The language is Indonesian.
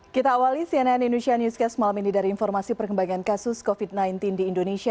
kita awali cnn indonesia newscast malam ini dari informasi perkembangan kasus covid sembilan belas di indonesia